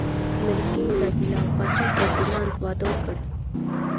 ملکې ایزابلا او پاچا فردیناند واده وکړ.